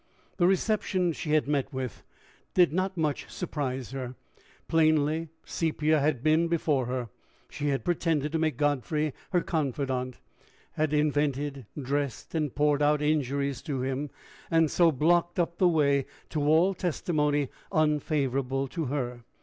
The reception she had met with did not much surprise her: plainly Sepia had been before her. She had pretended to make Godfrey her confidant, had invented, dressed, and poured out injuries to him, and so blocked up the way to all testimony unfavorable to her.